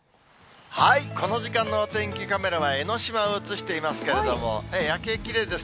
この時間のお天気カメラは江の島を写していますけれども、夜景、きれいです。